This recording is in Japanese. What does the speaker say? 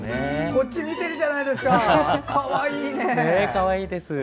こっち見てるじゃないですか、かわいいね。